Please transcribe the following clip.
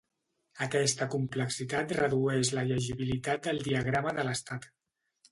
Aquesta complexitat redueix la llegibilitat del diagrama de l'estat.